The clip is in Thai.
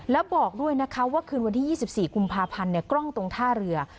แล้วบอกด้วยนะคะว่าคืนวันที่๒๔กุมภาพันธ์กล้องตรงท่าเรือ